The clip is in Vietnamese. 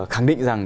khẳng định rằng